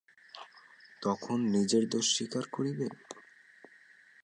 তখন নিজের দোষ স্বীকার করিবে?